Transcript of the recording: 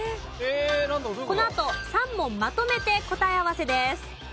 このあと３問まとめて答え合わせです。